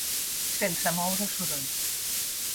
Sense moure soroll.